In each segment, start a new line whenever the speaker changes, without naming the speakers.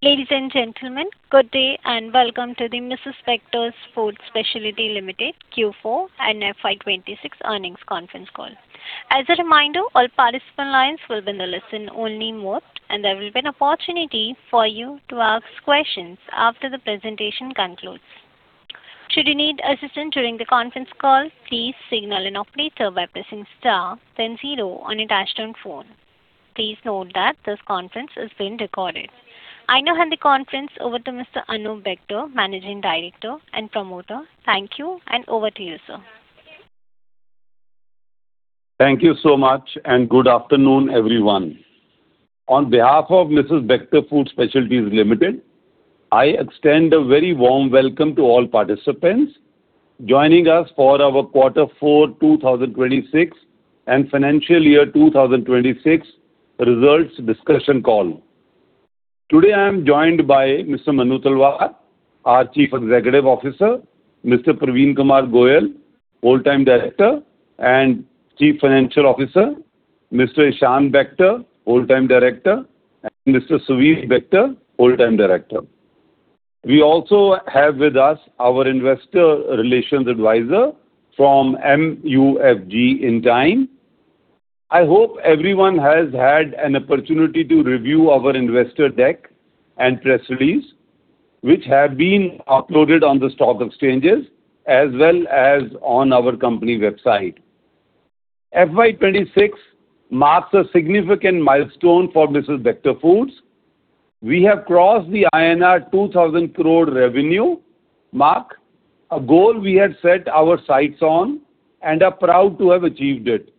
Ladies and gentlemen, good day and welcome to the Mrs. Bectors Food Specialities Limited Q4 and FY 2026 earnings conference call. As a reminder, all participant lines will be in a listen-only mode, and there will be an opportunity for you to ask questions after the presentation concludes. Should you need assistance during the conference call, please signal an operator by pressing star then zero on your touchtone phone. Please note that this conference is being recorded. I now hand the conference over to Mr. Anoop Bector, Managing Director and promoter. Thank you, and over to you, sir.
Thank you so much. Good afternoon, everyone. On behalf of Mrs. Bectors Food Specialities Limited, I extend a very warm welcome to all participants joining us for our Quarter Four 2026 and Financial Year 2026 results discussion call. Today, I am joined by Mr. Manu Talwar, our Chief Executive Officer, Mr. Parveen Kumar Goel, Whole-Time Director and Chief Financial Officer, Mr. Ishaan Bector, Whole Time Director, and Mr. Suvir Bector, Whole Time Director. We also have with us our investor relations advisor from MUFG Intime. I hope everyone has had an opportunity to review our investor deck and press release, which have been uploaded on the stock exchanges as well as on our company website. FY 2026 marks a significant milestone for Mrs. Bectors Foods. We have crossed the INR 2,000 crore revenue mark, a goal we had set our sights on and are proud to have achieved it.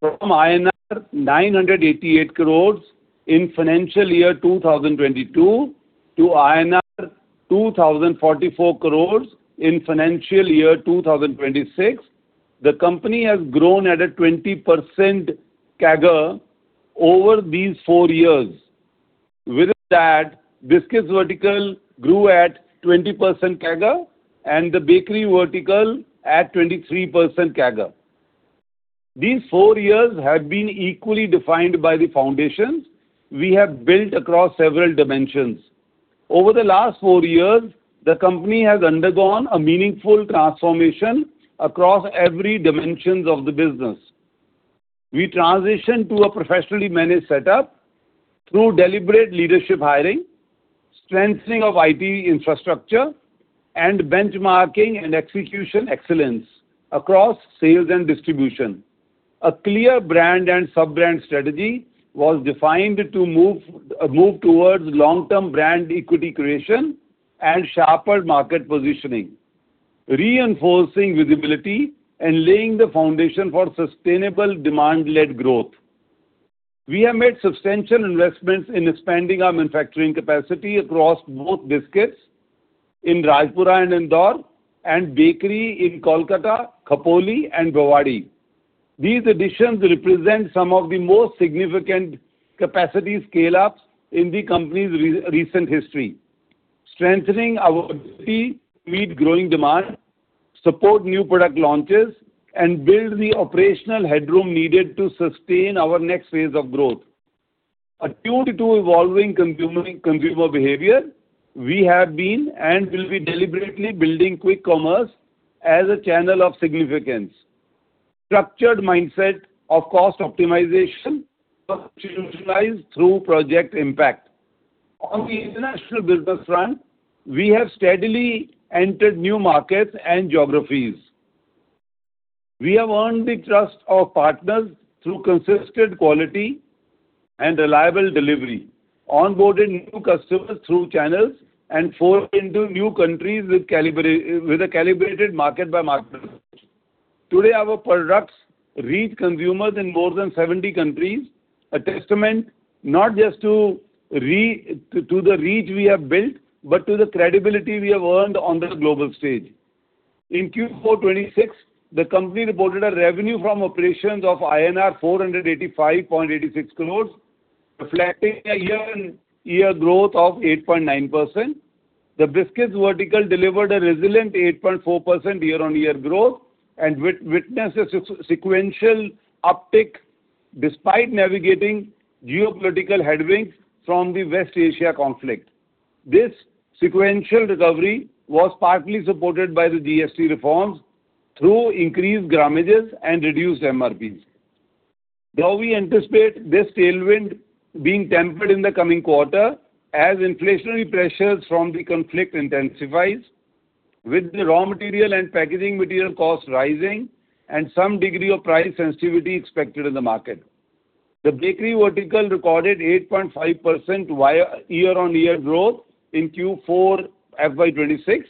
From INR 988 crores in financial year 2022 to INR 2,044 crores in financial year 2026, the company has grown at a 20% CAGR over these four years. Within that, biscuits vertical grew at 20% CAGR and the bakery vertical at 23% CAGR. These four years have been equally defined by the foundations we have built across several dimensions. Over the last four years, the company has undergone a meaningful transformation across every dimension of the business. We transitioned to a professionally managed setup through deliberate leadership hiring, strengthening of IT infrastructure, and benchmarking and execution excellence across sales and distribution. A clear brand and sub-brand strategy was defined to move towards long-term brand equity creation and sharper market positioning, reinforcing visibility, and laying the foundation for sustainable demand-led growth. We have made substantial investments in expanding our manufacturing capacity across both biscuits in Rajpura and Indore and bakery in Kolkata, Khopoli, and Bavla. These additions represent some of the most significant capacity scale-ups in the company's recent history, strengthening our ability to meet growing demand, support new product launches, and build the operational headroom needed to sustain our next phase of growth. Attuned to evolving consumer behavior, we have been and will be deliberately building quick commerce as a channel of significance. Structured mindset of cost optimization institutionalized through Project IMPACT. On the international business front, we have steadily entered new markets and geographies. We have earned the trust of partners through consistent quality and reliable delivery, onboarded new customers through channels, and forayed into new countries with a calibrated market-by-market approach. Today, our products reach consumers in more than 70 countries, a testament not just to the reach we have built, but to the credibility we have earned on the global stage. In Q4 2026, the company reported a revenue from operations of INR 485.86 crores, reflecting a year-on-year growth of 8.9%. The biscuits vertical delivered a resilient 8.4% year-on-year growth and witnessed a sequential uptick despite navigating geopolitical headwinds from the West Asia conflict. This sequential recovery was partly supported by the GST reforms through increased gramages and reduced MRPs. We anticipate this tailwind being tempered in the coming quarter as inflationary pressures from the conflict intensifies, with the raw material and packaging material costs rising and some degree of price sensitivity expected in the market. The bakery vertical recorded 8.5% year-on-year growth in Q4 FY 2026,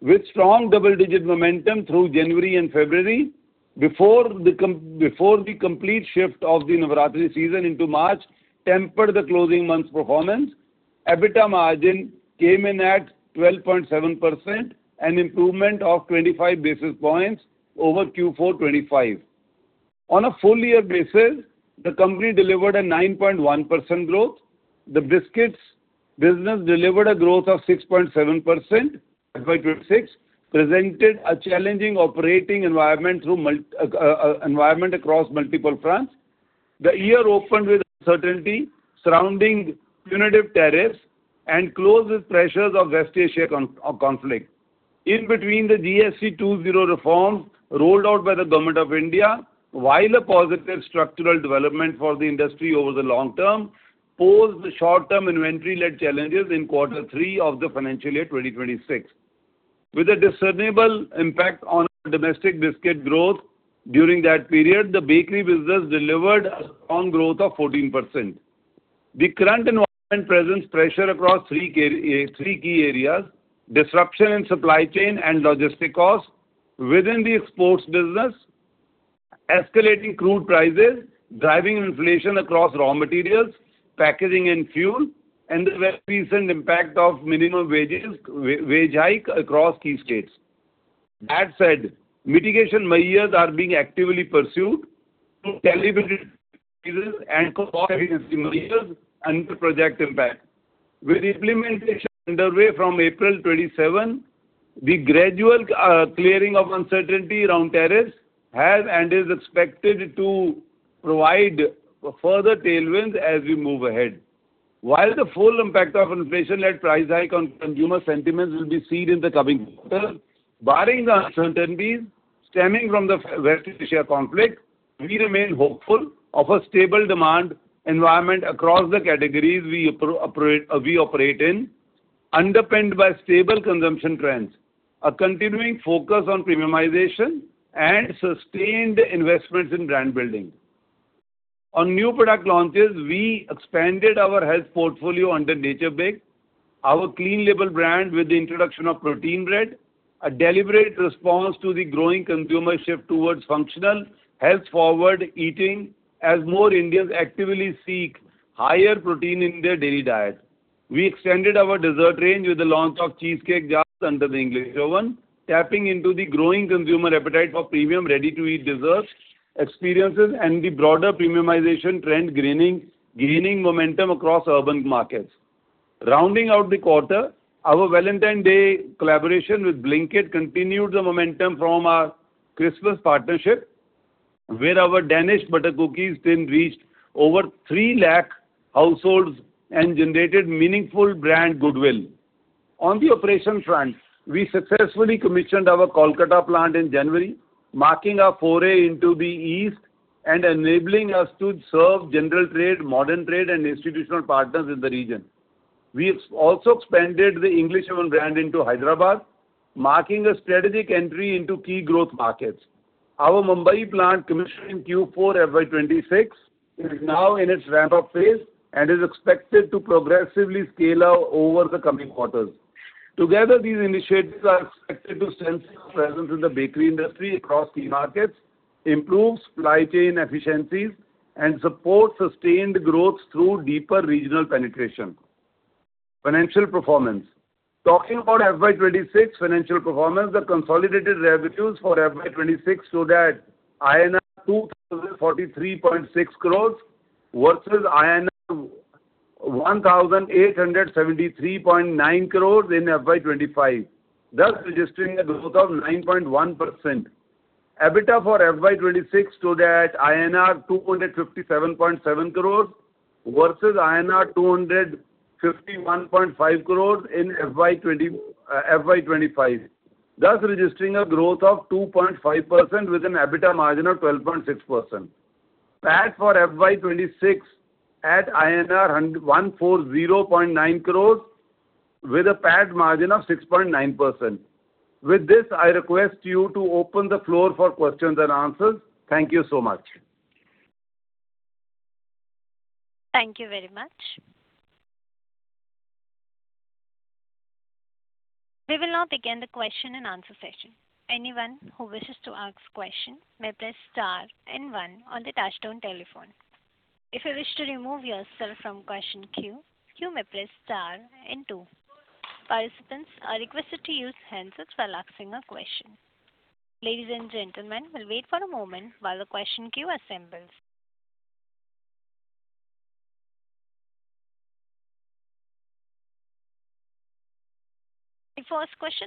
with strong double-digit momentum through January and February before the complete shift of the Navratri season into March tempered the closing month's performance. EBITDA margin came in at 12.7%, an improvement of 25 basis points over Q4 2025. On a full year basis, the company delivered a 9.1% growth. The biscuits business delivered a growth of 6.7%. FY 2026 presented a challenging operating environment across multiple fronts. The year opened with uncertainty surrounding punitive tariffs and closed with pressures of West Asia conflict. In between, the GST 2.0 reforms rolled out by the government of India, while a positive structural development for the industry over the long term, posed short-term inventory-led challenges in quarter three of the financial year 2026. With a discernible impact on our domestic biscuit growth during that period, the bakery business delivered a strong growth of 14%. The current environment presents pressure across three key areas: disruption in supply chain and logistic costs within the exports business; escalating crude prices driving inflation across raw materials, packaging, and fuel; and the recent impact of minimum wage hike across key states. That said, mitigation measures are being actively pursued through calibrated and cost efficiency measures, and the Project IMPACT. With implementation underway from April 27, the gradual clearing of uncertainty around tariffs has and is expected to provide further tailwinds as we move ahead. While the full impact of inflation at price hike on consumer sentiments will be seen in the coming quarter, barring the uncertainties stemming from the West Asia conflict, we remain hopeful of a stable demand environment across the categories we operate in, underpinned by stable consumption trends, a continuing focus on premiumization, and sustained investments in brand building. On new product launches, we expanded our health portfolio under NaturBaked, our clean label brand, with the introduction of protein bread, a deliberate response to the growing consumer shift towards functional, health-forward eating as more Indians actively seek higher protein in their daily diet. We extended our dessert range with the launch of cheesecake jars under the English Oven, tapping into the growing consumer appetite for premium ready-to-eat dessert experiences and the broader premiumization trend gaining momentum across urban markets. Rounding out the quarter, our Valentine Day collaboration with Blinkit continued the momentum from our Christmas partnership, where our Danish butter cookies then reached over three lakh households and generated meaningful brand goodwill. On the operation front, we successfully commissioned our Kolkata plant in January, marking our foray into the East and enabling us to serve general trade, modern trade, and institutional partners in the region. We also expanded the English Oven brand into Hyderabad, marking a strategic entry into key growth markets. Our Mumbai plant commission in Q4 FY 2026 is now in its ramp-up phase and is expected to progressively scale up over the coming quarters. Together, these initiatives are expected to strengthen our presence in the bakery industry across key markets, improve supply chain efficiencies, and support sustained growth through deeper regional penetration. Financial performance. Talking about FY 2026 financial performance, the consolidated revenues for FY 2026 stood at INR 2,043.6 crores, versus INR 1,873.9 crores in FY 2025, thus registering a growth of 9.1%. EBITDA for FY 2026 stood at INR 257.7 crores versus INR 251.5 crores in FY 2025, thus registering a growth of 2.5% with an EBITDA margin of 12.6%. PAT for FY 2026 at INR 140.9 crores with a PAT margin of 6.9%. With this, I request you to open the floor for questions and answers. Thank you so much.
Thank you very much. We will now begin the question and answer session. The first question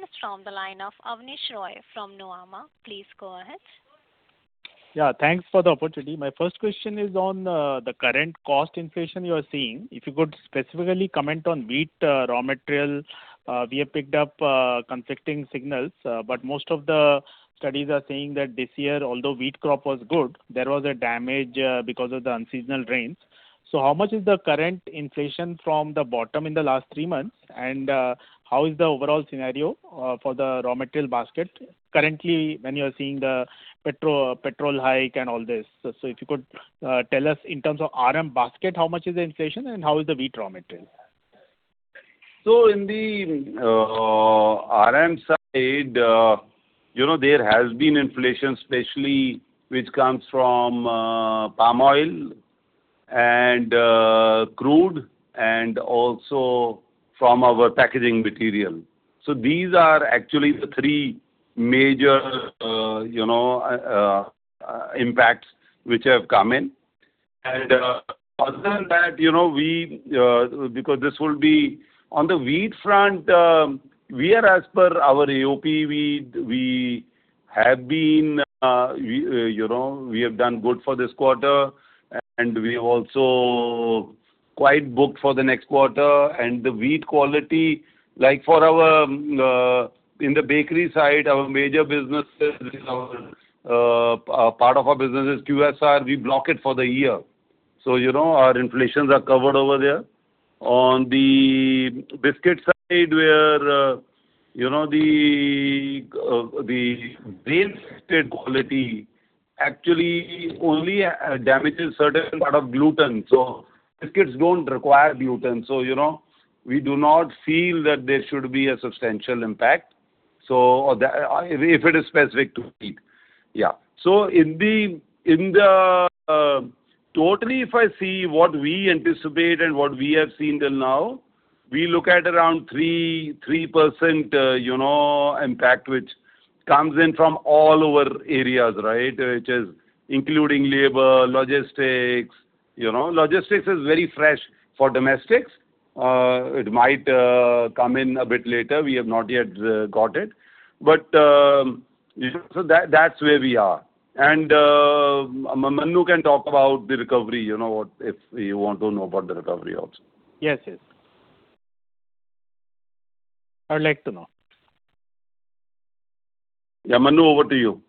is from the line of Abneesh Roy from Nuvama. Please go ahead.
Yeah. Thanks for the opportunity. My first question is on the current cost inflation you are seeing. If you could specifically comment on wheat raw material. We have picked up conflicting signals, but most of the studies are saying that this year, although wheat crop was good, there was a damage because of the unseasonal rains. How much is the current inflation from the bottom in the last three months, and how is the overall scenario for the raw material basket currently when you are seeing the petrol hike and all this? If you could tell us in terms of RM basket, how much is the inflation and how is the wheat raw material?
In the RM side, there has been inflation, especially which comes from palm oil and crude and also from our packaging material. These are actually the three major impacts which have come in. Other than that, on the wheat front, we are as per our AOP wheat, we have done good for this quarter, and we also quite booked for the next quarter. The wheat quality, like in the bakery side, our major businesses, part of our business is QSR, we block it for the year. Our inflations are covered over there. On the biscuit side, where the rain affected quality actually only damages certain part of gluten. Biscuits don't require gluten. We do not feel that there should be a substantial impact, so if it is specific to wheat. Yeah. Totally, if I see what we anticipate and what we have seen till now, we look at around 3% impact, which comes in from all our areas, which is including labor, logistics. Logistics is very fresh for domestics. It might come in a bit later, we have not yet got it. That's where we are, and Manu can talk about the recovery, if you want to know about the recovery also.
Yes. I would like to know.
Yeah. Manu, over to you.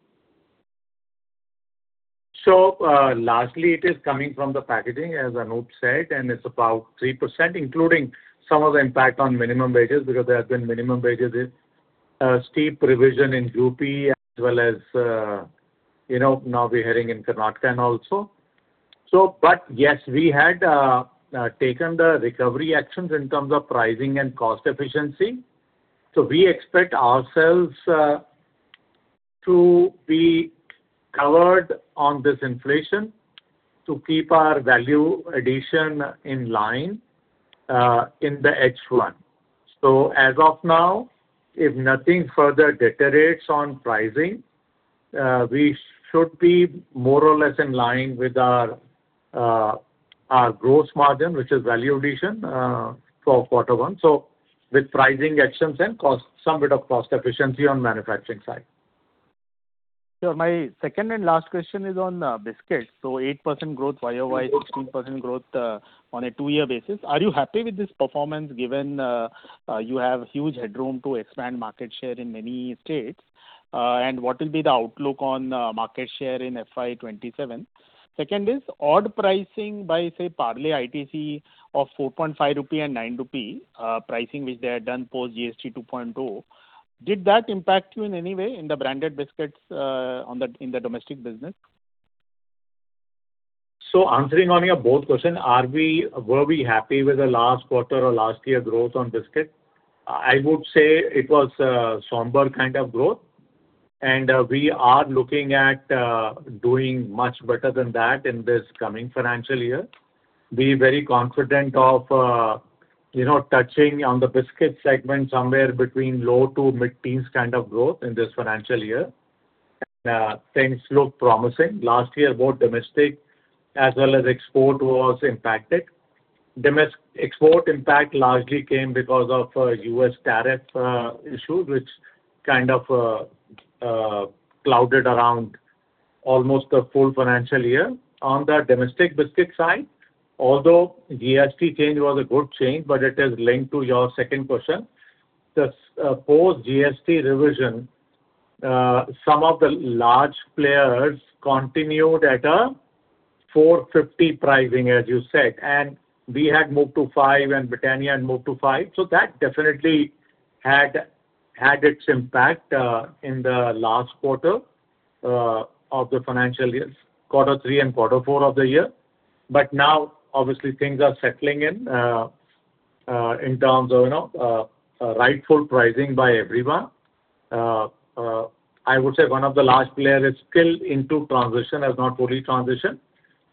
Lastly, it is coming from the packaging, as Anoop said, and it's about 3%, including some of the impact on minimum wages, steep revision in UP as well as now we're heading in Karnataka also. Yes, we had taken the recovery actions in terms of pricing and cost efficiency. We expect ourselves to be covered on this inflation to keep our value addition in line in the H1. As of now, if nothing further deteriorates on pricing, we should be more or less in line with our gross margin, which is value addition, for Q1. With pricing actions and some bit of cost efficiency on manufacturing side.
Sir, my second and last question is on biscuits. 8% growth YoY, 16% growth on a two-year basis. Are you happy with this performance given you have huge headroom to expand market share in many states? What will be the outlook on market share in FY 2027? Second is, odd pricing by, say, Parle ITC of 4.5 rupee and 9 rupee pricing, which they had done post GST 2.0. Did that impact you in any way in the branded biscuits in the domestic business?
Answering on your both question, were we happy with the last quarter or last year growth on biscuit? I would say it was a somber kind of growth. We are looking at doing much better than that in this coming financial year. We're very confident of touching on the biscuit segment somewhere between low to mid-teens kind of growth in this financial year, and things look promising. Last year, both domestic as well as export was impacted. Export impact largely came because of U.S. tariff issues, which kind of clouded around almost the full financial year. On the domestic biscuit side, although GST change was a good change, but it is linked to your second question. The post GST revision, some of the large players continued at a 4.50 pricing, as you said, and we had moved to 5, and Britannia had moved to 5. That definitely had its impact in the last quarter of the financial years, quarter three and quarter four of the year. Now, obviously things are settling in terms of rightful pricing by everyone. I would say one of the large players is still into transition, has not fully transitioned,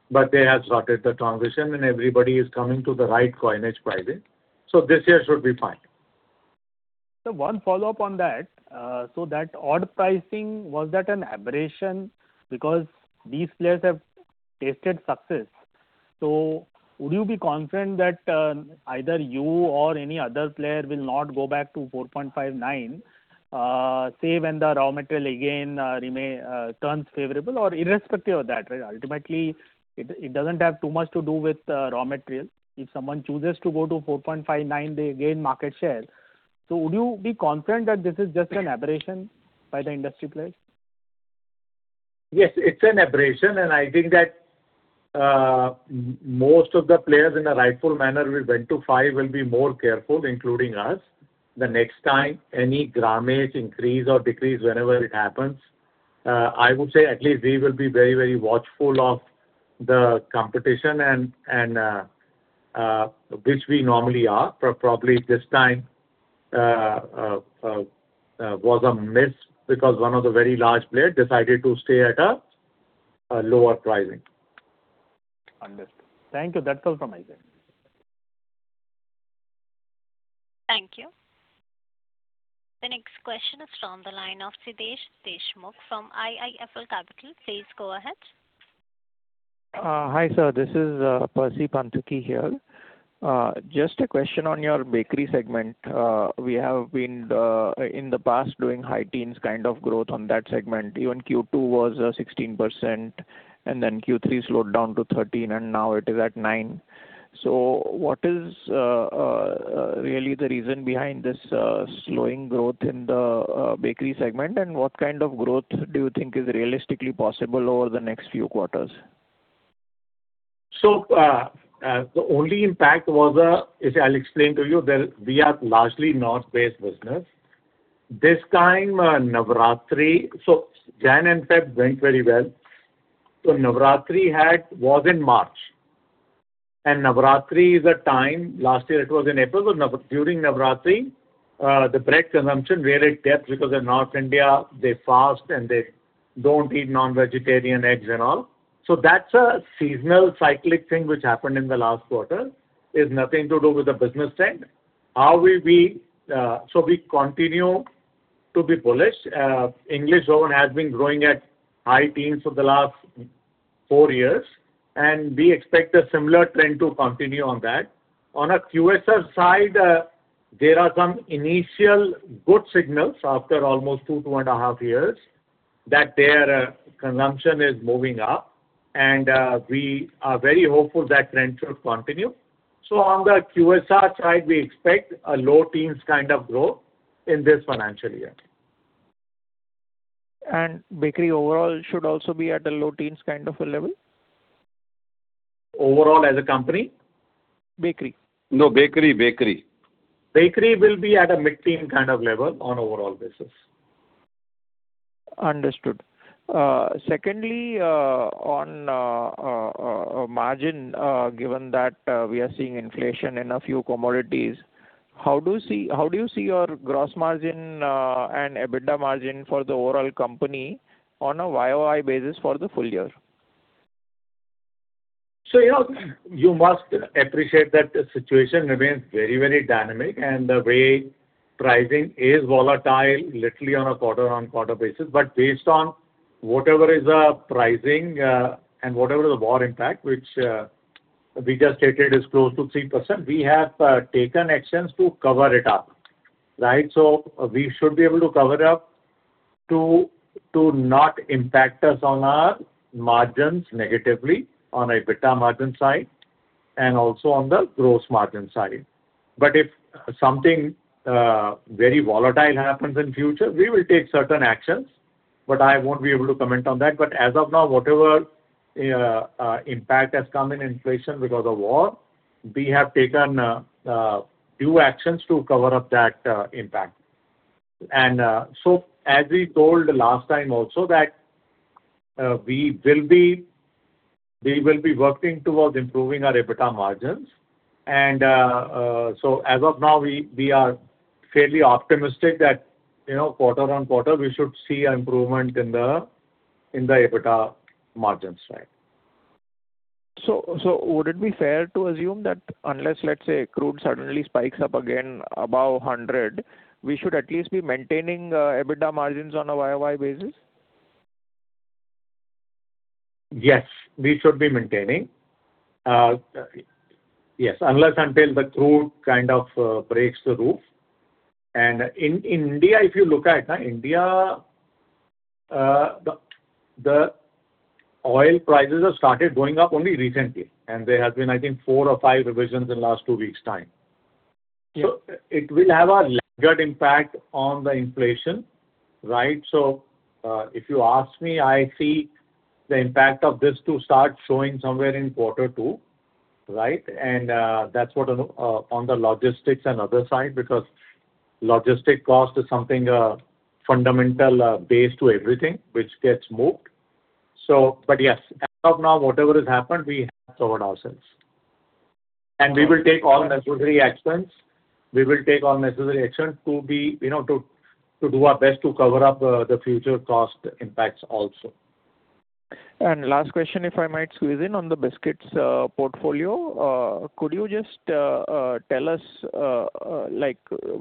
but they have started the transition and everybody is coming to the right coinage pricing. This year should be fine.
Sir, one follow-up on that. That odd pricing, was that an aberration? Because these players have tasted success. Would you be confident that either you or any other player will not go back to 4.59, say, when the raw material again turns favorable or irrespective of that, right? Ultimately, it doesn't have too much to do with raw material. If someone chooses to go to 4.59, they gain market share. Would you be confident that this is just an aberration by the industry players?
Yes, it's an aberration, and I think that most of the players in a rightful manner who went to five will be more careful, including us. The next time any grammage increase or decrease, whenever it happens, I would say at least we will be very watchful of the competition, which we normally are. Probably this time was a miss because one of the very large player decided to stay at a lower pricing.
Understood. Thank you. That's all from my side.
Thank you. The next question is from the line of Siddhesh Deshmukh from IIFL Capital. Please go ahead.
Hi, sir. This is Percy Panthaki here. Just a question on your bakery segment. We have been, in the past, doing high teens kind of growth on that segment. Even Q2 was 16%, and then Q3 slowed down to 13%, and now it is at 9%. What is really the reason behind this slowing growth in the bakery segment, and what kind of growth do you think is realistically possible over the next few quarters?
The only impact was, I'll explain to you. We are largely North-based business. Jan and Feb went very well. Navratri was in March, and Navratri is a time, last year it was in April. During Navratri, the bread consumption really dips because in North India, they fast and they don't eat non-vegetarian eggs and all. That's a seasonal cyclic thing which happened in the last quarter. It's nothing to do with the business trend. We continue to be bullish. English Oven has been growing at high teens for the last four years, and we expect a similar trend to continue on that. On a QSR side, there are some initial good signals after almost 2.5 years, that their consumption is moving up and we are very hopeful that trend will continue. On the QSR side, we expect a low teens kind of growth in this financial year.
Bakery overall should also be at a low teens kind of a level?
Overall as a company?
Bakery.
No, bakery. Bakery will be at a mid-teen kind of level on overall basis.
Understood. Secondly, on margin, given that we are seeing inflation in a few commodities, how do you see your gross margin and EBITDA margin for the overall company on a YoY basis for the full year?
You must appreciate that the situation remains very dynamic, and the way pricing is volatile, literally on a quarter-on-quarter basis. Based on whatever is the pricing, and whatever the war impact, which we just stated is close to 3%, we have taken actions to cover it up. We should be able to cover it up to not impact us on our margins negatively, on EBITDA margin side and also on the gross margin side. If something very volatile happens in future, we will take certain actions, but I won't be able to comment on that. As of now, whatever impact has come in inflation because of war, we have taken due actions to cover up that impact. As we told last time also that we will be working towards improving our EBITDA margins. As of now, we are fairly optimistic that quarter-on-quarter, we should see improvement in the EBITDA margins side.
Would it be fair to assume that unless, let's say, crude suddenly spikes up again above 100, we should at least be maintaining EBITDA margins on a YoY basis?
Yes, we should be maintaining. Yes, unless until the crude kind of breaks the roof. In India, if you look at India, the oil prices have started going up only recently, and there have been, I think, four or five revisions in the last two weeks' time.
Yeah.
It will have a larger impact on the inflation. Right? If you ask me, I see the impact of this to start showing somewhere in quarter two. Right? That's what on the logistics and other side, because logistic cost is something fundamental base to everything which gets moved. Yes, as of now, whatever has happened, we have covered ourselves. We will take all necessary actions. We will take all necessary actions to do our best to cover up the future cost impacts also.
Last question, if I might squeeze in on the biscuits portfolio. Could you just tell us,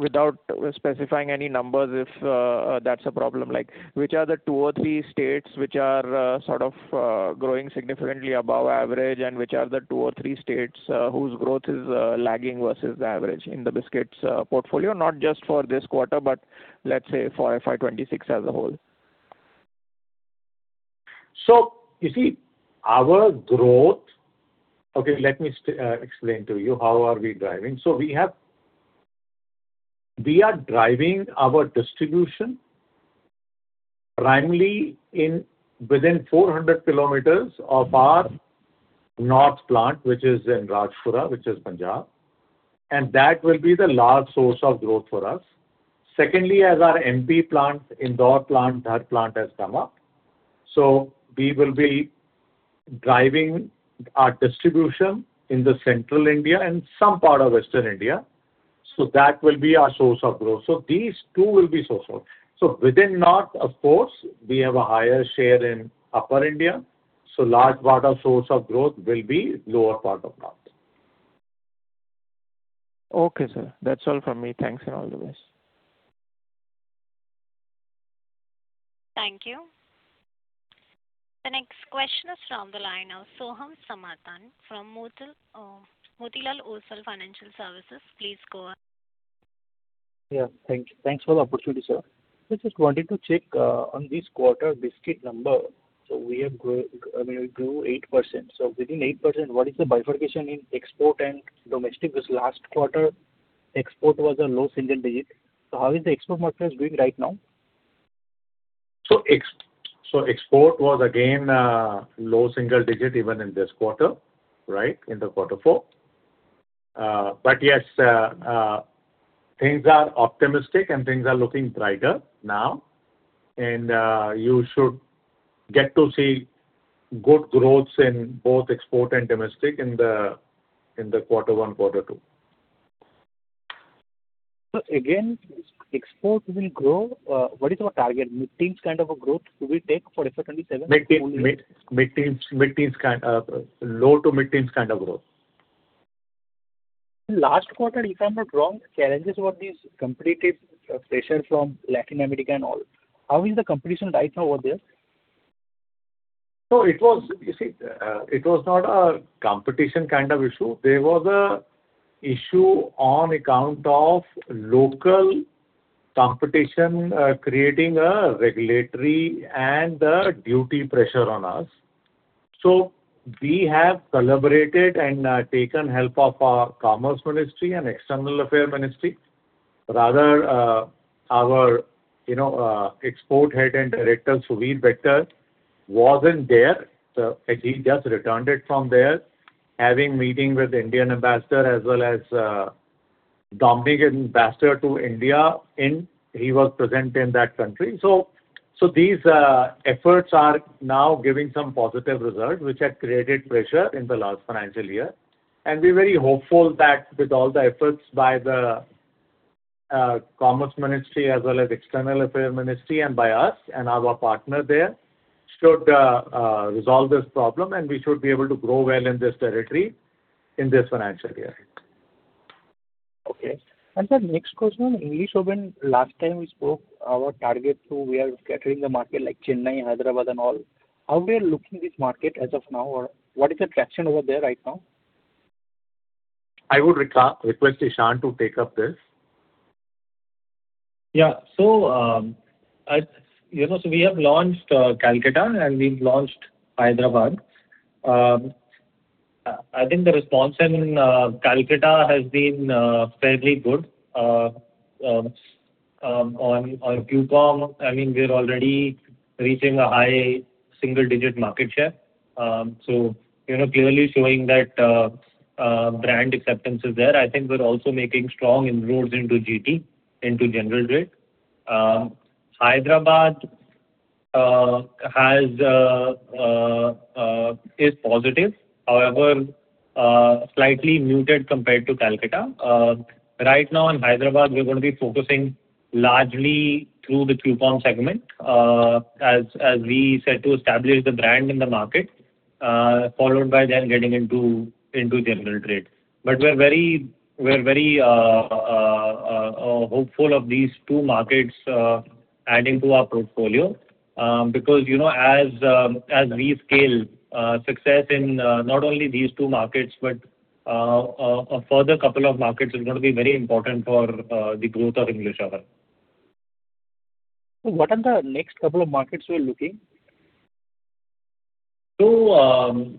without specifying any numbers if that's a problem, which are the two or three states which are sort of growing significantly above average, and which are the two or three states whose growth is lagging versus the average in the biscuits portfolio, not just for this quarter, but let's say for FY 2026 as a whole?
Okay, let me explain to you how are we driving. We are driving our distribution primarily within 400 km of our north plant, which is in Rajpura, which is Punjab, and that will be the large source of growth for us. Secondly, as our MP plant, Indore plant, that plant has come up. We will be driving our distribution in the central India and some part of western India. That will be our source of growth. These two will be source of. Within north, of course, we have a higher share in upper India. Large part of source of growth will be lower part of South.
Okay, sir. That's all from me. Thanks and all the best.
Thank you. The next question is from the line of Soham Samanta from Motilal Oswal Financial Services. Please go ahead.
Yeah. Thanks for the opportunity, sir. I just wanted to check on this quarter biscuit number. We grew 8%. Within 8%, what is the bifurcation in export and domestic? This last quarter export was a low single digit. How is the export market doing right now?
Export was again low single digit even in this quarter, right, in the quarter four. Yes, things are optimistic and things are looking brighter now, and you should get to see good growths in both export and domestic in the quarter one, quarter two.
Again, export will grow. What is our target? Mid-teens kind of a growth we will take for FY 2027?
Mid-teens. Low to mid-teens kind of growth.
Last quarter, if I'm not wrong, challenges were these competitive pressure from Latin America and all. How is the competition right now over there?
It was not a competition kind of issue. There was an issue on account of local competition creating a regulatory and a duty pressure on us. We have collaborated and taken help of our commerce ministry and external affairs ministry. Rather, our Export Head and Director, Suvir, wasn't there. He just returned it from there, having meeting with the Indian ambassador as well as Dominican ambassador to India, and he was present in that country. These efforts are now giving some positive results, which had created pressure in the last financial year. We're very hopeful that with all the efforts by the commerce ministry as well as external affairs ministry and by us and our partner there, should resolve this problem and we should be able to grow well in this territory in this financial year.
Okay. Sir, next question. English Oven, last time we spoke our target, so we are capturing the market like Chennai, Hyderabad, and all. How we are looking this market as of now? What is the traction over there right now?
I would request Ishaan to take up this.
Yeah. We have launched Kolkata and we've launched Hyderabad. I think the response in Kolkata has been fairly good. On Qcom, we're already reaching a high single-digit market share. Clearly showing that brand acceptance is there. I think we're also making strong inroads into GT, into general trade. Hyderabad is positive, however, slightly muted compared to Kolkata. Right now in Hyderabad, we're going to be focusing largely through the Qcom segment, as we said, to establish the brand in the market, followed by then getting into general trade. We're very hopeful of these two markets adding to our portfolio, because as we scale success in not only these two markets, but a further couple of markets is going to be very important for the growth of English Oven.
What are the next couple of markets you're looking?
See,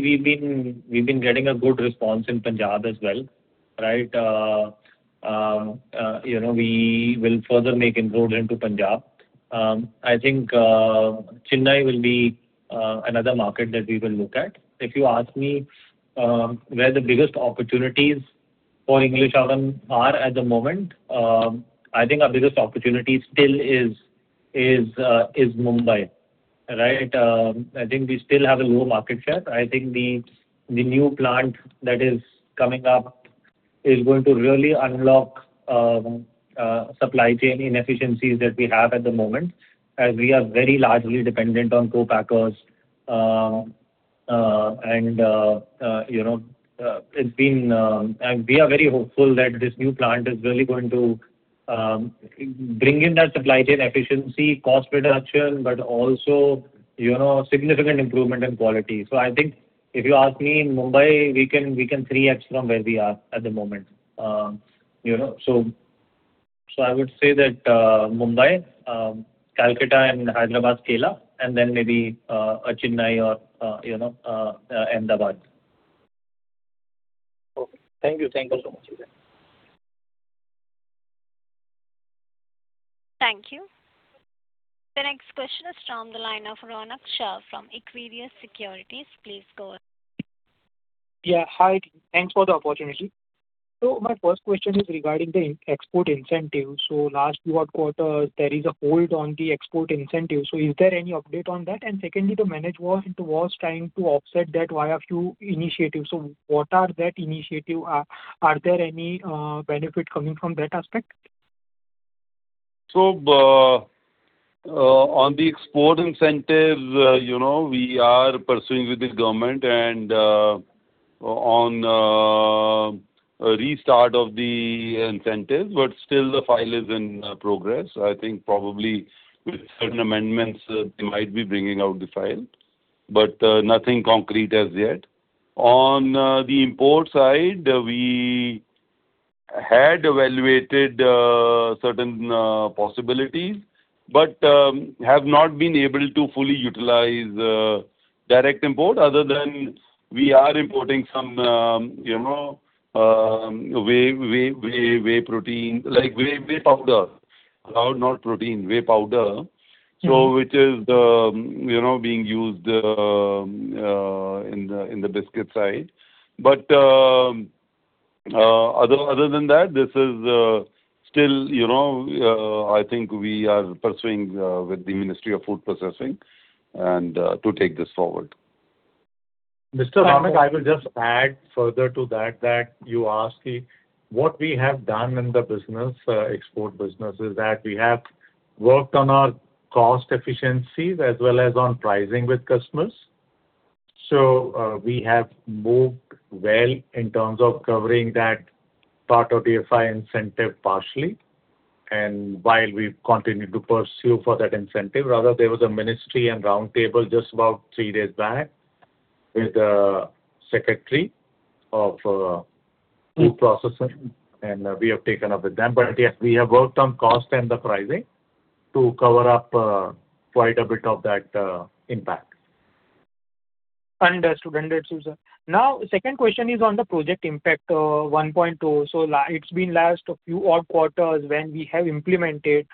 we've been getting a good response in Punjab as well, right? We will further make inroads into Punjab. I think Chennai will be another market that we will look at. If you ask me where the biggest opportunities for English Oven are at the moment, I think our biggest opportunity still is Mumbai. I think we still have a low market share. I think the new plant that is coming up is going to really unlock supply chain inefficiencies that we have at the moment, as we are very largely dependent on co-packers. We are very hopeful that this new plant is really going to bring in that supply chain efficiency, cost reduction, but also significant improvement in quality. I think if you ask me, in Mumbai, we can 3x from where we are at the moment. I would say that Mumbai, Kolkata and Hyderabad scale up, and then maybe a Chennai or Ahmedabad.
Okay. Thank you. Thank you so much.
Thank you. The next question is from the line of Ronak Shah from Equirus Securities. Please go ahead.
Hi. Thanks for the opportunity. My first question is regarding the export incentive. Last few quarters, there is a hold on the export incentive. Is there any update on that? Secondly, the management was trying to offset that via few initiatives. What are that initiative? Are there any benefit coming from that aspect?
On the export incentive, we are pursuing with the government on restart of the incentive, but still the file is in progress. I think probably with certain amendments they might be bringing out the file, but nothing concrete as yet. On the import side, we had evaluated certain possibilities, but have not been able to fully utilize direct import other than we are importing some whey protein, like whey powder. Not protein, whey powder. Which is being used in the biscuit side. Other than that, this is still, I think we are pursuing with the Ministry of Food Processing to take this forward.
Mr. Ronak, I will just add further to that you asked. What we have done in the export business is that we have worked on our cost efficiencies as well as on pricing with customers. We have moved well in terms of covering that part of the FI incentive partially. While we continue to pursue for that incentive, rather, there was a ministry and roundtable just about three days back with the Secretary of Food Processing and we have taken up with them. Yes, we have worked on cost and the pricing to cover up quite a bit of that impact.
Understood. Second question is on the Project IMPACT 1.0. It's been last few odd quarters when we have implemented.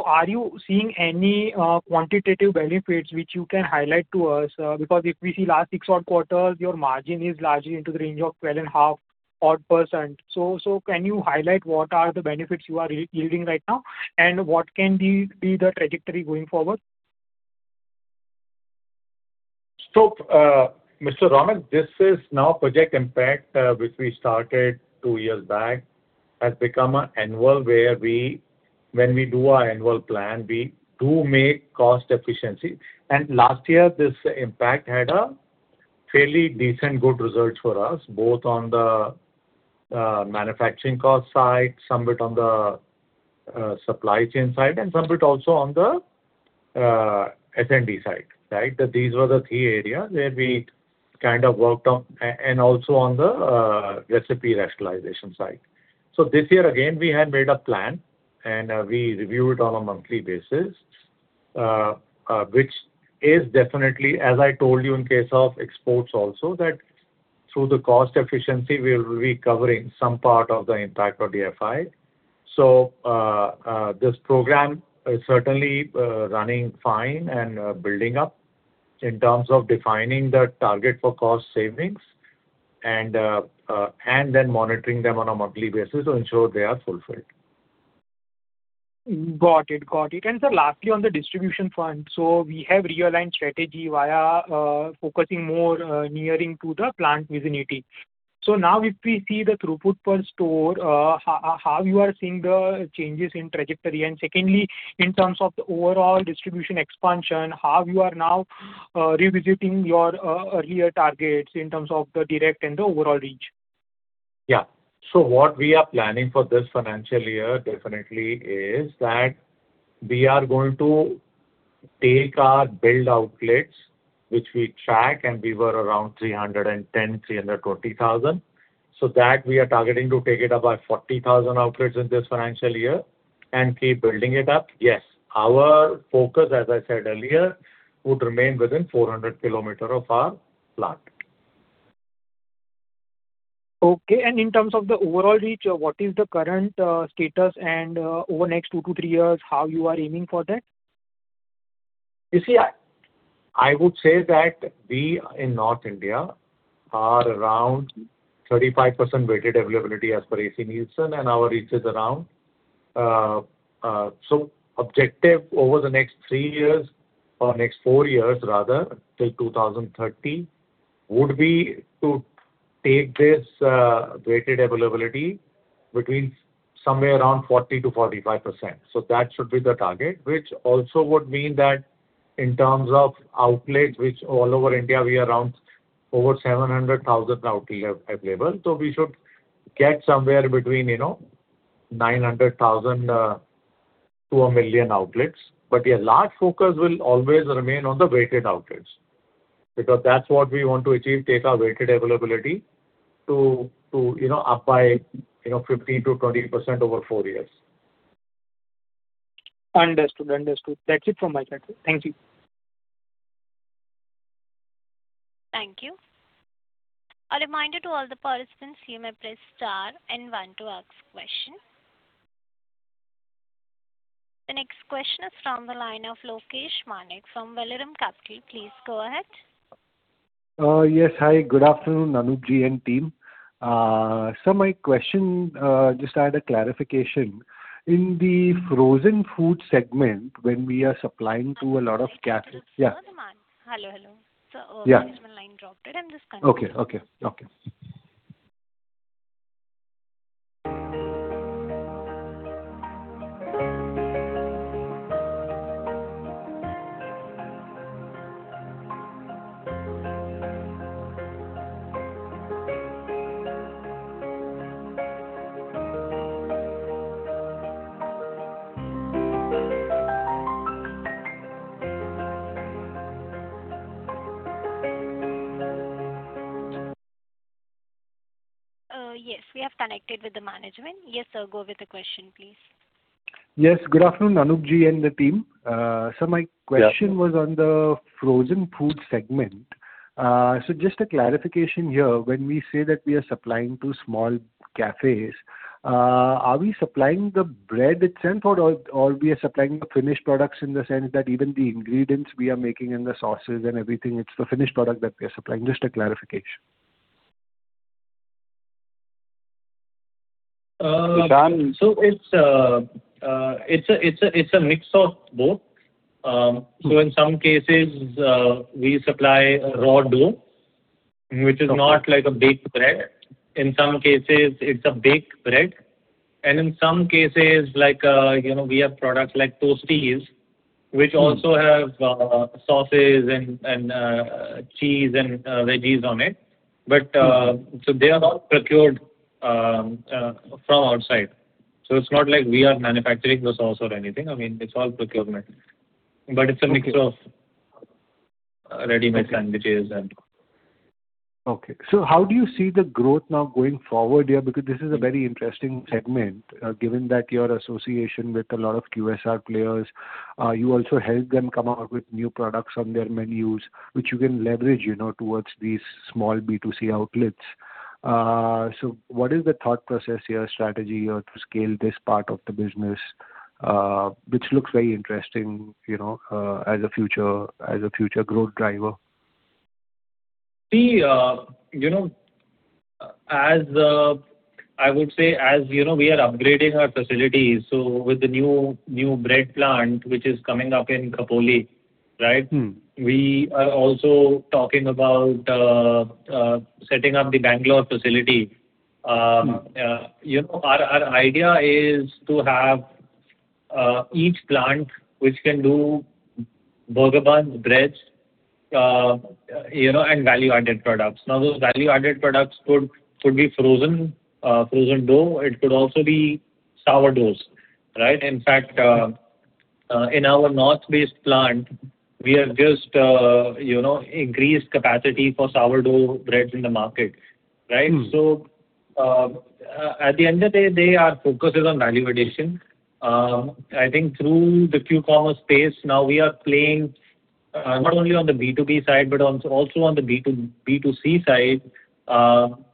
Are you seeing any quantitative benefits which you can highlight to us? If we see last six odd quarters, your margin is largely into the range of 12.5%. Can you highlight what are the benefits you are yielding right now and what can be the trajectory going forward?
Mr. Ronak, this is now Project IMPACT, which we started two years back, has become annual where when we do our annual plan, we do make cost efficiency. Last year this Project IMPACT had a fairly decent good result for us, both on the manufacturing cost side, somewhat on the supply chain side, and somewhat also on the S&D side. These were the key areas where we kind of worked on, and also on the recipe rationalization side. This year again, we had made a plan and we review it on a monthly basis, which is definitely, as I told you in case of exports also, that through the cost efficiency we will be covering some part of the impact of the FI. This program is certainly running fine and building up in terms of defining the target for cost savings and then monitoring them on a monthly basis to ensure they are fulfilled.
Got it. Sir, lastly, on the distribution front. We have realigned strategy via focusing more nearing to the plant vicinity. Now if we see the throughput per store, how you are seeing the changes in trajectory? Secondly, in terms of the overall distribution expansion, how you are now revisiting your earlier targets in terms of the direct and the overall reach?
Yeah. What we are planning for this financial year definitely is that we are going to take our build outlets, which we track, and we were around 310,000, 320,000. That we are targeting to take it about 40,000 outlets in this financial year and keep building it up. Yes, our focus, as I said earlier, would remain within 400 km of our plant.
Okay. In terms of the overall reach, what is the current status and over the next two to three years how you are aiming for that?
You see, I would say that we in North India are around 35% weighted availability as per ACNielsen, and our reach is around. Objective over the next three years or next four years rather, till 2030, would be to take this weighted availability between somewhere around 40%-45%. That should be the target, which also would mean that in terms of outlets, which all over India, we are around over 700,000 outlets available. We should get somewhere between 900,000 to 1 million outlets. A large focus will always remain on the weighted outlets, because that's what we want to achieve, take our weighted availability up by 15%-20% over four years.
Understood. That's it from my side, sir. Thank you.
Thank you. A reminder to all the participants, you may press star and one to ask question. The next question is from the line of Lokesh Manik from Vallum Capital. Please go ahead.
Yes. Hi, good afternoon, Anoop and team. Sir, my question, just add a clarification. In the frozen food segment, when we are supplying to a lot of cafes-
Oh, management line dropped it. I'm just connecting.
Okay.
Yes, we have connected with the management. Yes, sir, go with the question, please.
Yes. Good afternoon, Anoop Bector and the team. My question was on the frozen food segment. Just a clarification here, when we say that we are supplying to small cafes, are we supplying the bread itself or we are supplying the finished products in the sense that even the ingredients we are making and the sauces and everything, it's the finished product that we are supplying? Just a clarification.
It's a mix of both. In some cases, we supply raw dough, which is not like a baked bread. In some cases, it's a baked bread. In some cases, we have products like toasties, which also have sauces and cheese and veggies on it. They are all procured from outside. It's not like we are manufacturing the sauce or anything. It's all procurement, but it's a mix of readymade sandwiches and...
Okay. How do you see the growth now going forward here? This is a very interesting segment, given that your association with a lot of QSR players, you also help them come out with new products on their menus, which you can leverage towards these small B2C outlets. What is the thought process here, strategy here to scale this part of the business, which looks very interesting as a future growth driver?
I would say, as we are upgrading our facilities, with the new bread plant, which is coming up in Khopoli. We are also talking about setting up the Bangalore facility. Our idea is to have each plant which can do burger buns, breads, and value-added products. Those value-added products could be frozen dough. It could also be sourdoughs. In fact, in our north-based plant, we have just increased capacity for sourdough breads in the market. At the end of the day, our focus is on value addition. I think through the Q-commerce space now we are playing not only on the B2B side, but also on the B2C side on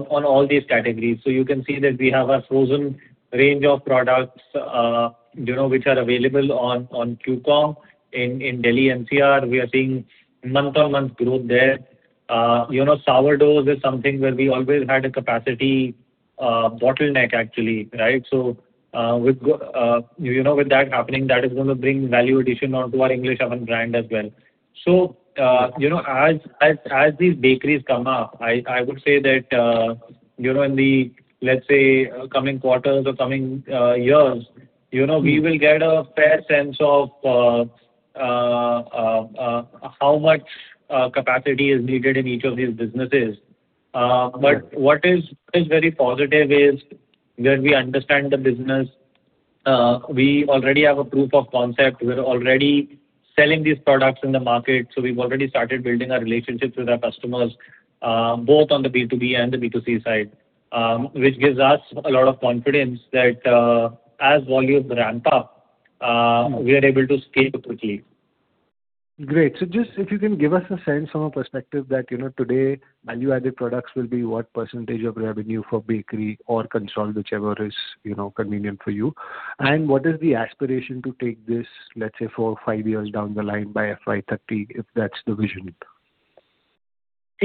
all these categories. You can see that we have a frozen range of products which are available on Q-com in Delhi NCR. We are seeing month-on-month growth there. Sourdoughs is something where we always had a capacity bottleneck, actually. With that happening, that is going to bring value addition onto our English Oven brand as well. As these bakeries come up, I would say that in the, let's say, coming quarters or coming years, we will get a fair sense of how much capacity is needed in each of these businesses. What is very positive is where we understand the business, we already have a proof of concept. We're already selling these products in the market, so we've already started building our relationships with our customers, both on the B2B and the B2C side, which gives us a lot of confidence that as volumes ramp up, we are able to scale quickly.
Great. Just if you can give us a sense from a perspective that today value-added products will be what percentage of revenue for bakery or consol, whichever is convenient for you, and what is the aspiration to take this, let's say, four, five years down the line by FY 2030, if that's the vision.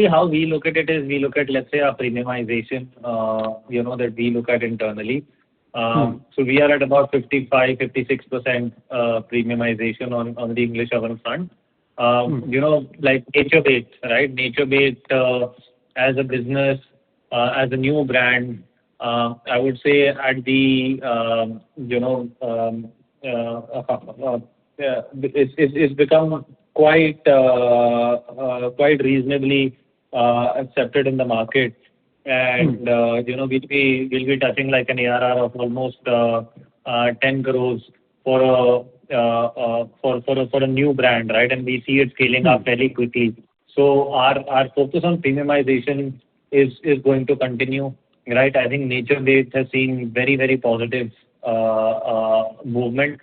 How we look at it is we look at, let's say, our premiumization that we look at internally. We are at about 55%, 56% premiumization on the English Oven front. NaturBaked, as a business, as a new brand, I would say it's become quite reasonably accepted in the market. We'll be touching like an ARR of almost 10 crore for a new brand. We see it scaling up fairly quickly. Our focus on premiumization is going to continue. I think NaturBaked has seen very positive movement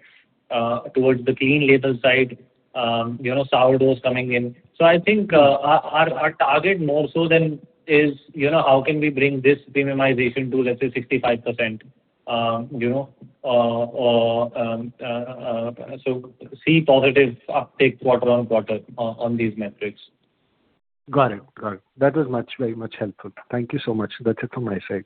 towards the clean label side, sourdoughs coming in. I think our target more so then is how can we bring this premiumization to, let's say, 65%, or see positive uptake quarter-on-quarter on these metrics.
Got it. That was very much helpful. Thank you so much. That is it from my side.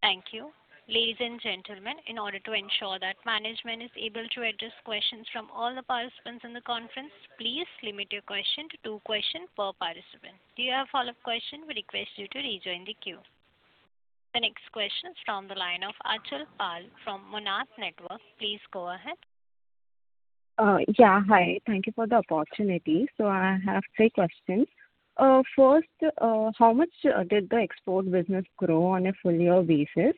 Thank you. Ladies and gentlemen, in order to ensure that management is able to address questions from all the participants in the conference, please limit your question to two question per participant. If you have follow-up question, we request you to rejoin the queue. The next question is from the line of Aachal Pal from Monarch Networth. Please go ahead.
Yeah. Hi. Thank you for the opportunity. I have three questions. First, how much did the export business grow on a full year basis?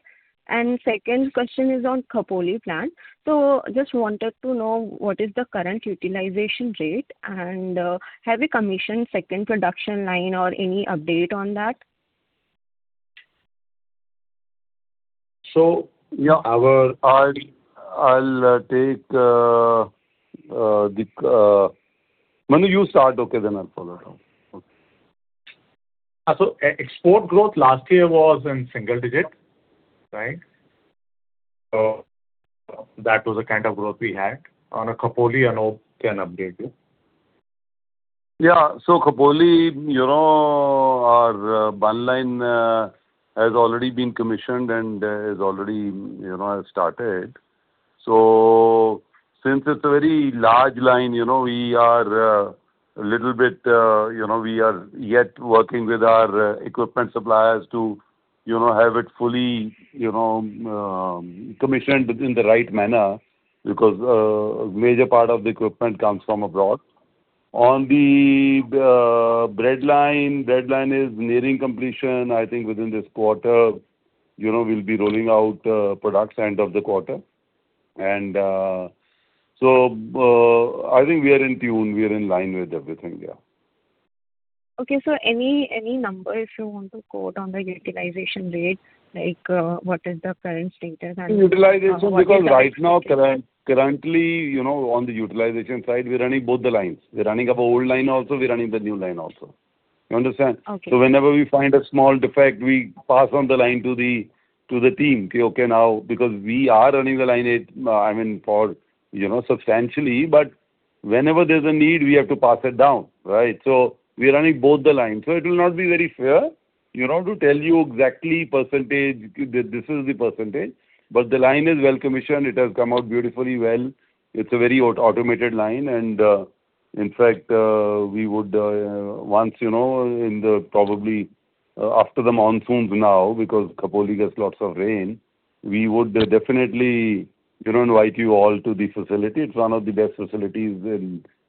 Second question is on Khopoli plant. Just wanted to know what is the current utilization rate, and have you commissioned second production line or any update on that?
Yeah, I'll take Manu, you start, okay, then I'll follow it up.
Export growth last year was in single-digit. Right. That was the kind of growth we had. On Khopoli, Anoop can update you.
Yeah. Khopoli, our bun line has already been commissioned and has already started. Since it's a very large line, we are yet working with our equipment suppliers to have it fully commissioned within the right manner because a major part of the equipment comes from abroad. On the bread line, bread line is nearing completion. I think within this quarter, we'll be rolling out products end of the quarter. I think we are in tune, we are in line with everything, yeah.
Okay. Any number if you want to quote on the utilization rate, like what is the current status and.
Utilization, because right now currently, on the utilization side, we're running both the lines. We're running our old line also, we're running the new line also. You understand?
Okay.
Whenever we find a small defect, we pass on the line to the team. We are running the line, I mean, for substantially, but whenever there's a need, we have to pass it down. Right. We are running both the lines. It will not be very fair to tell you exactly percentage, this is the percentage. The line is well commissioned. It has come out beautifully well. It's a very automated line and, in fact, probably after the monsoons now, because Khopoli gets lots of rain, we would definitely invite you all to the facility. It's one of the best facilities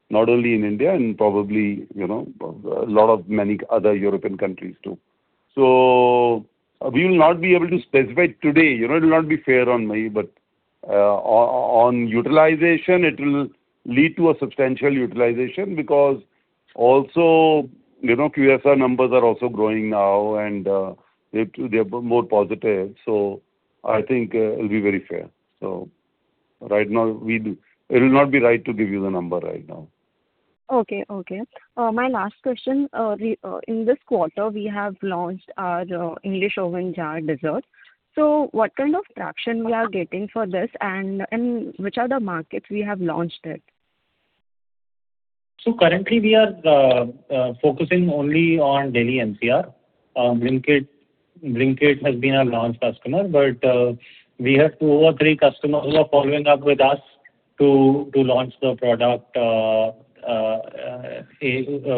not only in India and probably a lot of many other European countries too. We will not be able to specify today. It will not be fair on me, but on utilization, it will lead to a substantial utilization because also QSR numbers are also growing now, and they're more positive. I think it'll be very fair. Right now it will not be right to give you the number right now.
Okay. My last question. In this quarter, we have launched our English Oven jar dessert. What kind of traction we are getting for this and in which other markets we have launched it?
Currently we are focusing only on Delhi NCR. Blinkit has been our launch customer, but we have two or three customers who are following up with us to launch the product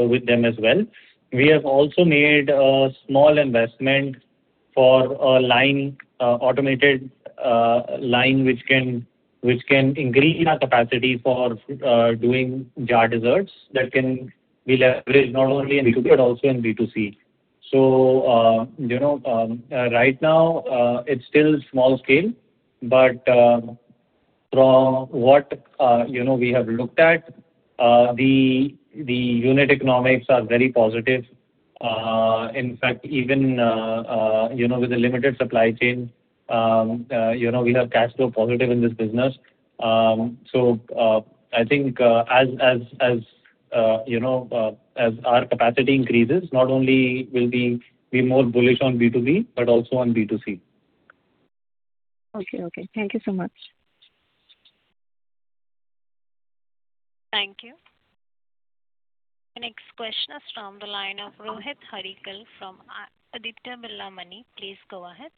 with them as well. We have also made a small investment for automated line, which can increase our capacity for doing jar desserts that can be leveraged not only in B2B but also in B2C. Right now, it's still small scale, but from what we have looked at, the unit economics are very positive. In fact, even with the limited supply chain, we are cash flow positive in this business. I think as our capacity increases, not only will we be more bullish on B2B but also on B2C.
Okay. Thank you so much.
Thank you. The next question is from the line of Rohit Harlikar from Aditya Birla Money. Please go ahead.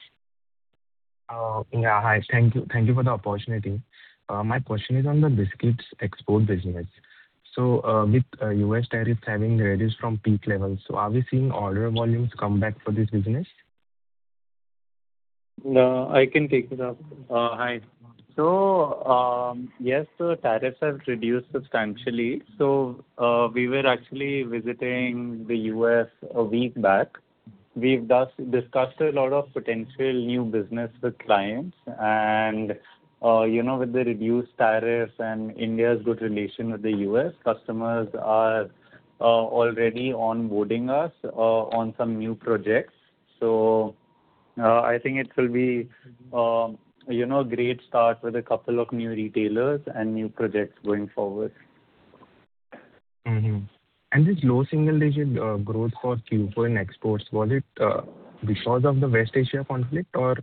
Yeah. Hi. Thank you for the opportunity. My question is on the biscuits export business. With U.S. tariffs having reduced from peak levels, so are we seeing order volumes come back for this business?
I can take it up. Hi. Yes, tariffs have reduced substantially. We were actually visiting the U.S. a week back. We've thus discussed a lot of potential new business with clients, and with the reduced tariffs and India's good relation with the U.S., customers are already onboarding us on some new projects. I think it will be a great start with a couple of new retailers and new projects going forward.
This low single-digit growth for Q4 in exports, was it because of the West Asia conflict or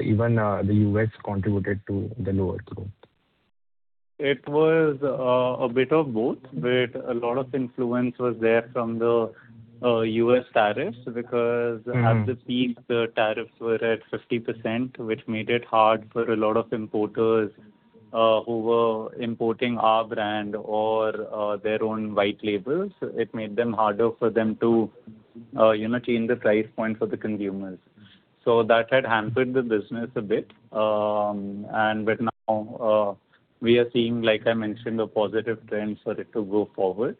even the U.S. contributed to the lower growth?
It was a bit of both. A lot of influence was there from the U.S. tariffs, because at the peak, the tariffs were at 50%, which made it hard for a lot of importers who were importing our brand or their own white labels. It made them harder for them to change the price point for the consumers. That had hampered the business a bit. Now we are seeing, like I mentioned, a positive trend for it to go forward.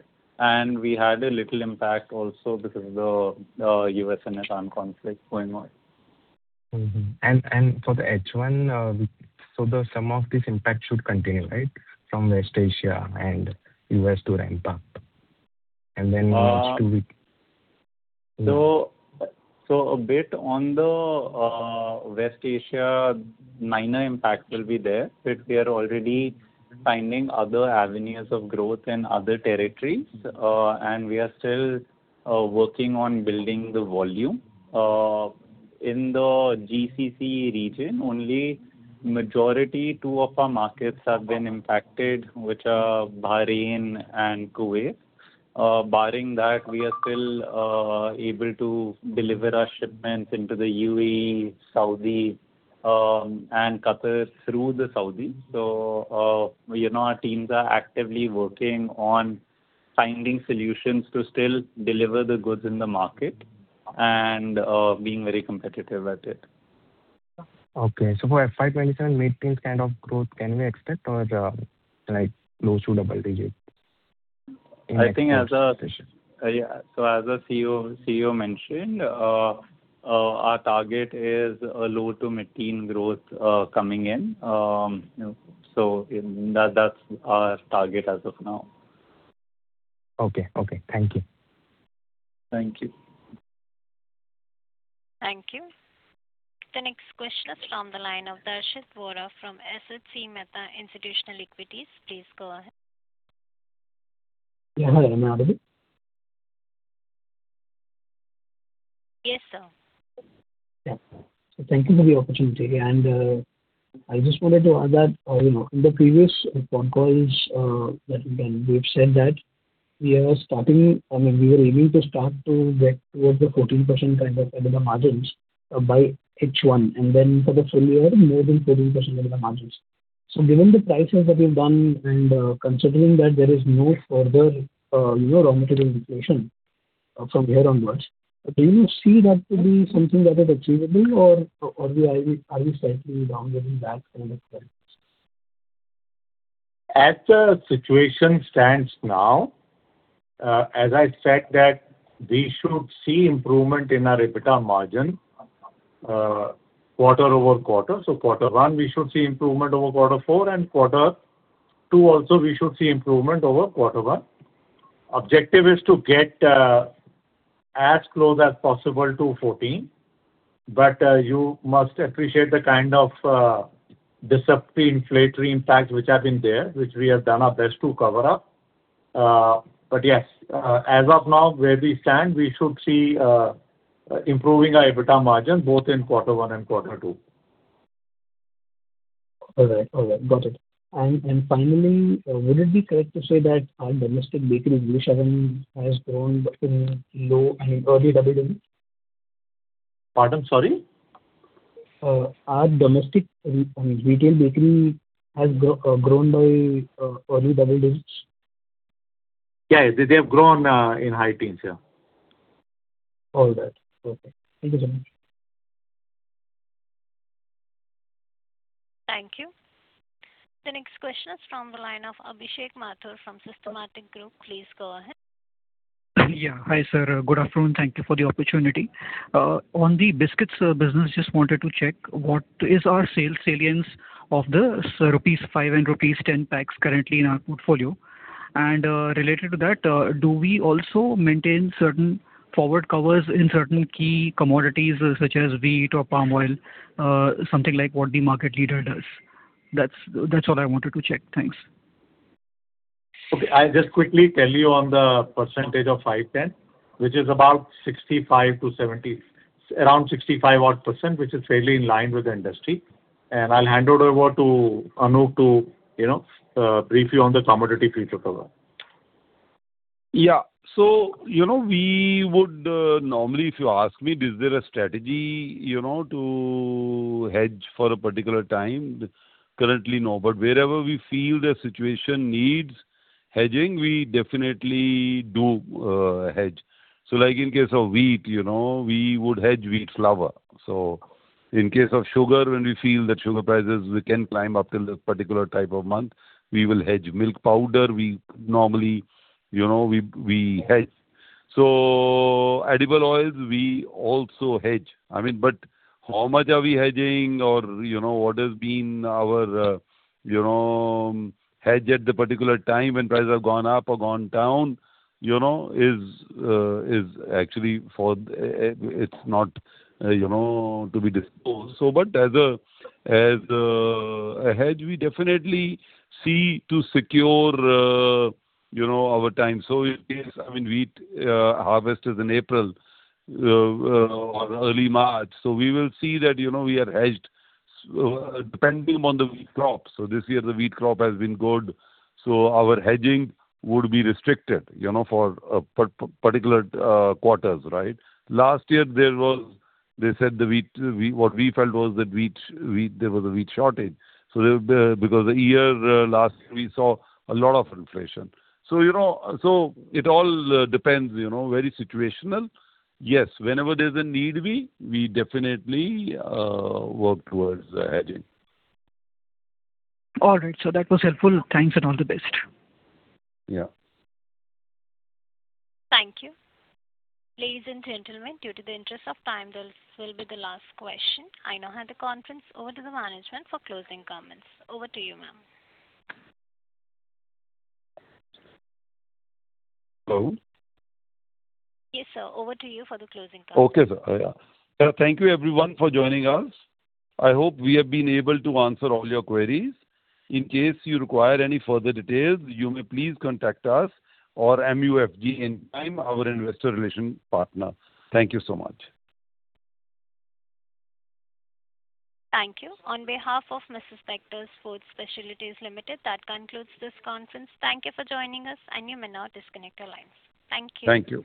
We had a little impact also because of the U.S. and Iran conflict going on.
Mm-hmm. For the H1, some of this impact should continue, right? From West Asia and U.S. to impact.
A bit on the West Asia, minor impact will be there. But we are already finding other avenues of growth in other territories, and we are still working on building the volume. In the GCC region, only majority two of our markets have been impacted, which are Bahrain and Kuwait. Barring that, we are still able to deliver our shipments into the UAE, Saudi, and Qatar through the Saudi. Our teams are actively working on finding solutions to still deliver the goods in the market and being very competitive at it.
Okay. For FY 2027, mid-teens kind of growth, can we expect or like close to double-digit?
I think, as the CEO mentioned, our target is a low to mid-teen growth coming in. That's our target as of now.
Okay. Thank you.
Thank you.
Thank you. The next question is from the line of Darshit Vora from Asit C. Mehta Institutional Equities. Please go ahead.
Yeah. Hi, am I audible?
Yes, sir.
Thank you for the opportunity. I just wanted to add that in the previous con calls that we've done, we've said that we are aiming to start to get towards the 14% kind of EBITDA margins by H1, and then for the full year, more than 14% EBITDA margins. Given the prices that we've done and considering that there is no further raw material inflation from here onwards, do you see that to be something that is achievable, or are we slightly down a little back from the targets?
As the situation stands now, as I said that we should see improvement in our EBITDA margin quarter-over-quarter. Quarter one, we should see improvement over quarter four. Quarter two also, we should see improvement over quarter one. Objective is to get as close as possible to 14. You must appreciate the kind of disruptive inflationary impacts which have been there, which we have done our best to cover up. Yes, as of now, where we stand, we should see improving our EBITDA margin both in quarter one and quarter two.
All right. Got it. Finally, would it be correct to say that our domestic bakery English Oven has grown in low and early double-digits?
Pardon. Sorry?
Our domestic retail bakery has grown by early double-digits?
Yes. They have grown in high teens. Yeah.
All right. Okay. Thank you very much.
Thank you. The next question is from the line of Abhishek Mathur from Systematix Group. Please go ahead.
Yeah. Hi, sir. Good afternoon. Thank you for the opportunity. On the biscuits business, just wanted to check, what is our sales salience of the rupees 5 and rupees 10 packs currently in our portfolio? Related to that, do we also maintain certain forward covers in certain key commodities, such as wheat or palm oil, something like what the market leader does? That's all I wanted to check. Thanks.
Okay. I'll just quickly tell you on the percentage of 5/10, which is about 65-odd%, which is fairly in line with the industry. I'll hand it over to Anoop to brief you on the commodity future cover.
Yeah. We would normally, if you ask me, is there a strategy to hedge for a particular time? Currently, no. Wherever we feel the situation needs hedging, we definitely do hedge. Like in case of wheat, we would hedge wheat flour. In case of sugar, when we feel that sugar prices can climb up till a particular type of month, we will hedge. Milk powder, we normally hedge. Edible oils, we also hedge. How much are we hedging or what has been our hedge at the particular time when prices have gone up or gone down, it's not to be disclosed. As a hedge, we definitely see to secure our time. In case wheat harvest is in April or early March, so we will see that we are hedged depending on the wheat crop. This year the wheat crop has been good, so our hedging would be restricted for particular quarters, right? Last year, what we felt was that there was a wheat shortage. A year last, we saw a lot of inflation. It all depends, very situational. Yes, whenever there's a need be, we definitely work towards hedging.
All right. That was helpful. Thanks and all the best.
Yeah.
Thank you. Ladies and gentlemen, due to the interest of time, this will be the last question. I now hand the conference over to the management for closing comments. Over to you, ma'am.
Hello?
Yes, sir. Over to you for the closing comments.
Okay, sir. Yeah. Thank you everyone for joining us. I hope we have been able to answer all your queries. In case you require any further details, you may please contact us or MUFG Intime, our investor relation partner. Thank you so much.
Thank you. On behalf of Mrs. Bectors Food Specialities Limited, that concludes this conference. Thank you for joining us, and you may now disconnect your lines. Thank you.
Thank you.